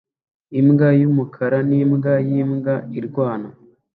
Imbwa yumukara nimbwa yimbwa irwana